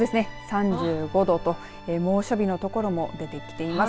３５度と猛暑日の所も出てきています。